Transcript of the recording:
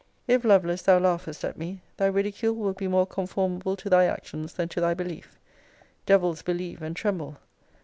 If, Lovelace, thou laughest at me, thy ridicule will be more conformable to thy actions than to thy belief. Devils believe and tremble.